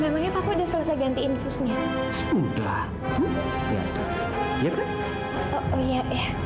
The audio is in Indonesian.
memangnya pak sudah selesai ganti infusnya sudah oh iya ya